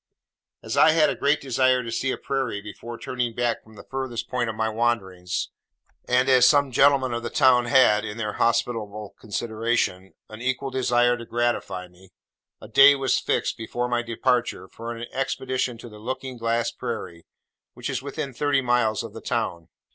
As I had a great desire to see a Prairie before turning back from the furthest point of my wanderings; and as some gentlemen of the town had, in their hospitable consideration, an equal desire to gratify me; a day was fixed, before my departure, for an expedition to the Looking Glass Prairie, which is within thirty miles of the town.